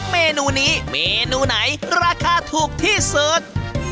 เมนูนี้เมนูไหนราคาถูกที่สุด